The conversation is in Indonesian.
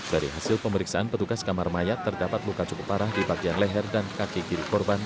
dari hasil pemeriksaan petugas kamar mayat terdapat luka cukup parah di bagian leher dan kaki kiri korban